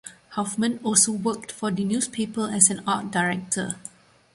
Huffman also worked for the newspaper as an art director.